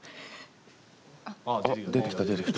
出てきた出てきた。